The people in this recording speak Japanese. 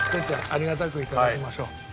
ありがたく頂きましょう。